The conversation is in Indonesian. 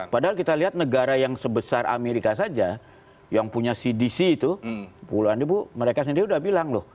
padahal kita lihat negara yang sebesar amerika saja yang punya cdc itu puluhan ribu mereka sendiri udah bilang loh